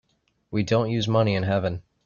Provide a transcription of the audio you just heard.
We don't use money in heaven.